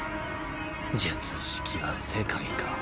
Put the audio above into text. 術式は世界か。